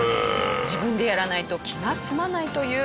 自分でやらないと気が済まないというやりすぎ国王。